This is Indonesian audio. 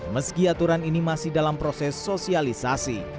meski aturan ini masih dalam proses sosialisasi